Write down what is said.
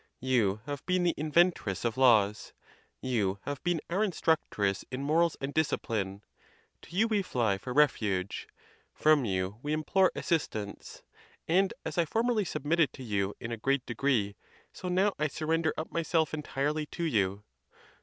You have been the inven tress of laws; you have been our instructress in morals and discipline; to you we fly for refuge; from you we im plore assistance; and as I formerly submitted to you in a great degree, so now I surrender up myself entirely to you.